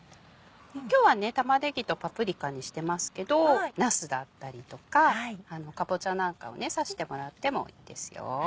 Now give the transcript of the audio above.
今日は玉ねぎとパプリカにしてますけどなすだったりとかかぼちゃなんかを刺してもらってもいいですよ。